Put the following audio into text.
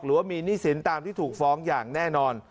หรือว่ามีหนี้สินตามที่ถูกฟ้องอย่างแน่นอน